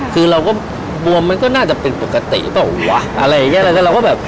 คือเราก็บวมมันก็น่าจะเป็นปกติเปล่าวะอะไรอย่างเงี้แล้วก็เราก็แบบ